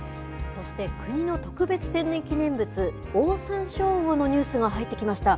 そして国の特別天然記念物、オオサンショウウオのニュースが入ってきました。